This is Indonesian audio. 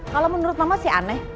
kalau menurut mama sih aneh